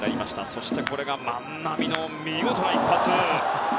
そして万波の見事な一発。